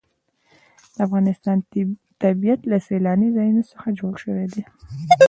د افغانستان طبیعت له سیلانی ځایونه څخه جوړ شوی دی.